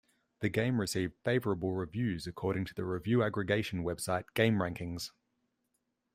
The game received "favorable" reviews according to the review aggregation website GameRankings.